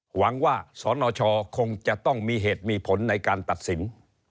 หวังว่าสนชคงจะต้องมีเหตุมีผลในการตัดสิน